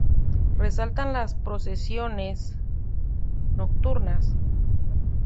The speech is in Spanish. Resaltan las procesiones nocturnas.